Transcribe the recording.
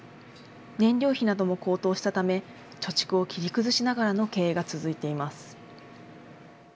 燃料費なども高騰したため、貯蓄を切り崩しながらの経営が続いています。